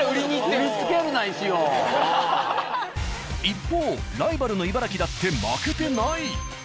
一方ライバルの茨城だって負けてない。